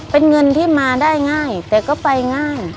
เป็นเงินที่มาได้ง่ายแต่ก็ไปง่าย